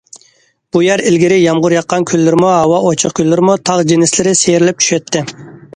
بۇ يەر ئىلگىرى يامغۇر ياغقان كۈنلىرىمۇ ھاۋا ئوچۇق كۈنلىرىمۇ تاغ جىنسلىرى سىيرىلىپ چۈشەتتى.